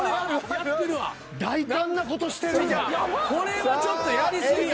これはちょっとやり過ぎや。